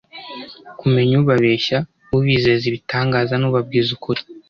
kumenya ubabeshya, ubizeza ibitangaza n'ubabwiza ukuri